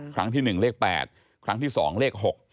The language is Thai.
ครั้งที่๑เลข๘ครั้งที่๒เลข๖